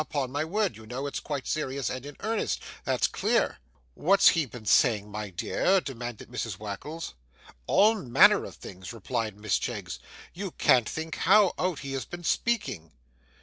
Upon my word, you know, it's quite serious and in earnest, that's clear.' 'What's he been saying, my dear?' demanded Mrs Wackles. 'All manner of things,' replied Miss Cheggs, 'you can't think how out he has been speaking!